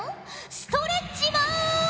ストレッチマン！